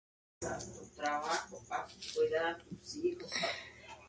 Schinus: es el nombre griego del lentisco: arbolito de esta misma familia;